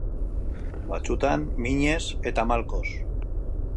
Batzutan, minez, eta malkoz.